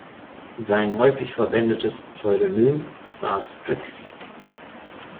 Sein häufig verwendetes Pseudonym war „Strix“.